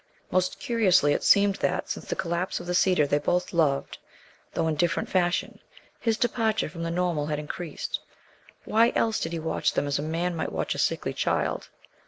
Most curiously it seemed that, since the collapse of the cedar they both loved, though in different fashion, his departure from the normal had increased. Why else did he watch them as a man might watch a sickly child?